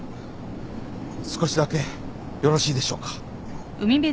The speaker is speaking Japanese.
少しだけよろしいでしょうか？